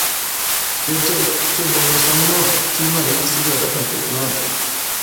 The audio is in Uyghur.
گەرچە ئوقۇتقۇچى بولمىساممۇ تېما ئىگىسىگە رەھمەت ئېيتىمەن.